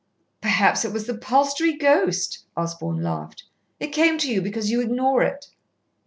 "Perhaps it was the Palstrey ghost," Osborn laughed. "It came to you because you ignore it."